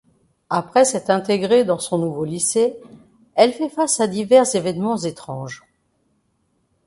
Après s'être intégré dans son nouveau lycée, elle fait face à divers événements étranges.